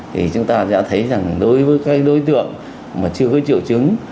thì chúng ta đã thấy rằng đối với các đối tượng mà chưa có triệu chứng